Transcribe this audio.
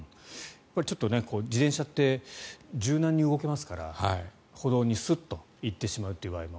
自転車って柔軟に動けますから歩道にスッと行ってしまう場合も。